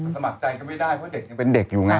สมัครใจก็ไม่ได้เพราะเด็กยังเป็นเด็กอยู่ไง